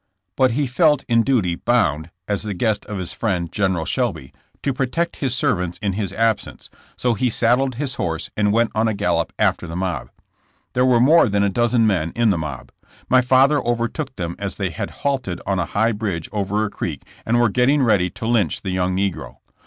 But he felt in duty bound, as the guest of his friend Gen eral Shelby, to protect his servants in his absence, so he saddled his horse and went on a gallop after the mob. There were more than a dozen men in the mob. My father overtook them as they had halted on a high bridge over a creek and were getting ready to lynch the young negro.